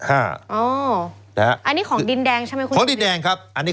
อันนี้ของดินแดงใช่ไหม